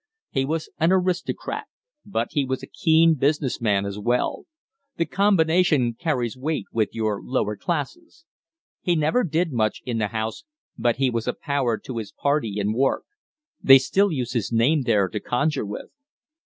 He was an aristocrat, but he was a keen business man as well. The combination carries weight with your lower classes. He never did much in the House, but he was a power to his party in Wark. They still use his name there to conjure with."